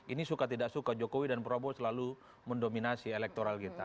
ini suka tidak suka jokowi dan prabowo selalu mendominasi elektoral kita